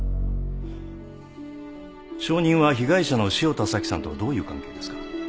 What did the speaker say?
証人は被害者の汐田早紀さんとはどういう関係ですか？